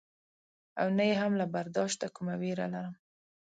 او نه یې هم له برداشته کومه وېره لرم.